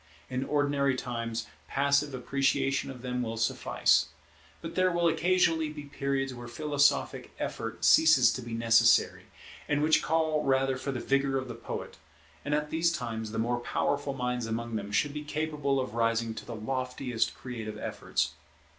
In ordinary times passive appreciation of them will suffice; but there will occasionally be periods where philosophic effort ceases to be necessary, and which call rather for the vigour of the poet; and at these times the more powerful minds among them should be capable of rising to the loftiest creative efforts.